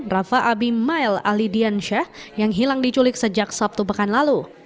rafa abim mile alidiansyah yang hilang diculik sejak sabtu pekan lalu